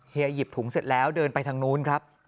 เฮียหยิบถุงเสร็จแล้วเดินไปทางนู้น